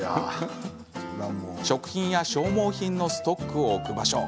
食品や消耗品のストックを置く場所。